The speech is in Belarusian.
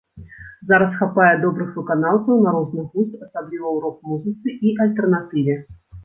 Зараз хапае добрых выканаўцаў на розны густ, асабліва ў рок-музыцы і альтэрнатыве.